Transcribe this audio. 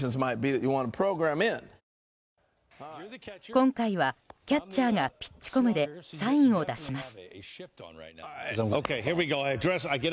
今回は、キャッチャーがピッチコムでサインを出します。